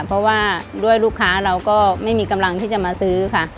เพราะว่าด้วยลูกค้าเราก็ไม่มีกำลังที่จะมาซื้อค่ะ